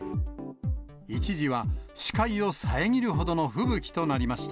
一時は視界を遮るほどの吹雪となりました。